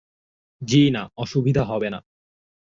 জ্বি-না, অসুবিধা হবে না।